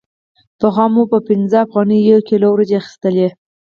پخوا مو په پنځه افغانیو یو کیلو وریجې اخیستلې